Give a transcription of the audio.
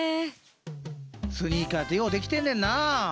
スニーカーってよう出来てんねんなあ。